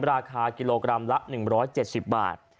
ราคากิโลกรัมละ๑๗๐บาท